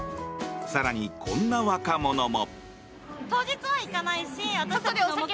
更に、こんな若者も。